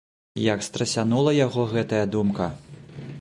Як страсянула яго гэтая думка!